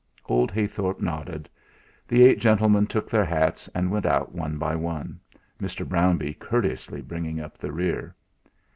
Old Heythorp nodded. The eight gentlemen took their hats, and went out one by one, Mr. Brownbee courteously bringing up the rear.